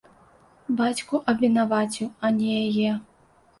Бацьку абвінаваціў, а не яе.